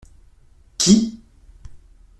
Qui ?